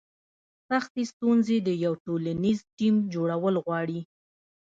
سختې ستونزې د یو ټولنیز ټیم جوړول غواړي.